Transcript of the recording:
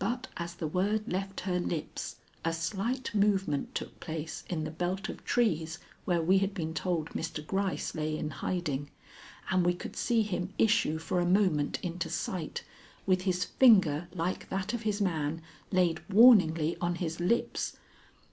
But as this word left her lips, a slight movement took place in the belt of trees where we had been told Mr. Gryce lay in hiding, and we could see him issue for a moment into sight with his finger like that of his man laid warningly on his lips.